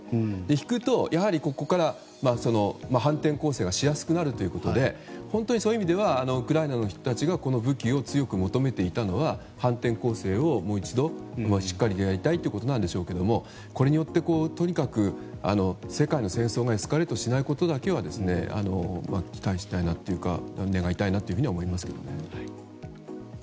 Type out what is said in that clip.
引くと、ここから反転攻勢がしやすくなるということで本当にそういう意味ではウクライナの人たちがこの武器を強く求めていたのは反転攻勢をもう一度しっかりやりたいということなんでしょうけどこれによってとにかく世界の戦争がエスカレートしないことだけは期待したいなというか願いたいなと思いますね。